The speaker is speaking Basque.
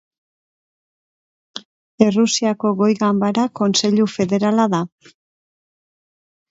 Errusiako goi ganbera Kontseilu Federala da.